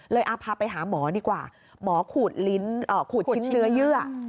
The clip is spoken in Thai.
เลยพาไปหาหมอดีกว่าหมอขูดชิ้นเนื้อเยื่อ